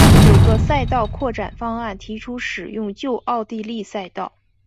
有个赛道扩展方案提出使用旧奥地利赛道。